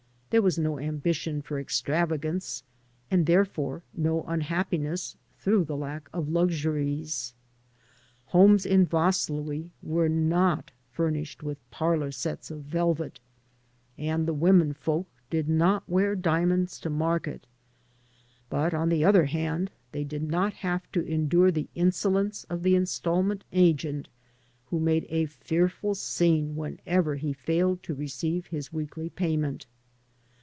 There was no ambition for extravagance, and therefore no imhappiness through the lack of luxuries. Homes t in Vaslui were not furnished with parlor sets of velvet, , and the women folks did not wear diamonds to market; but, on the other hand, they did not have to endure the insolence of the instalment agent, who made a fearful scene whenever he failed to receive his weekly payment.